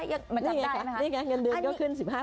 นี่ไงค่ะนี่ไงช่างเงินเดือนขึ้น๑๕